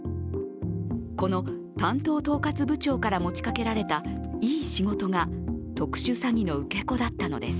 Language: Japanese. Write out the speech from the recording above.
この担当統括部長から持ちかけられた、いい仕事が特殊詐欺の受け子だったのです。